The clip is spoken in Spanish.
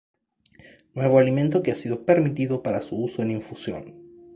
Nuevo Alimento que ha sido permitido para su uso en infusión.